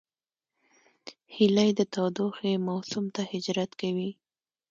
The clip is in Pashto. هیلۍ د تودوخې موسم ته هجرت کوي